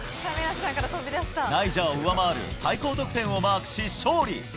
ナイジャを上回る最高得点をマークし勝利。